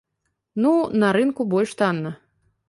Ну, на рынку больш танна.